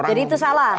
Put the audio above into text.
jadi itu salah